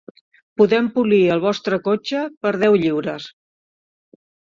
Podem polir el vostre cotxe per deu lliures.